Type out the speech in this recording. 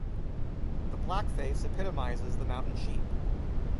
The Blackface epitomises the mountain sheep.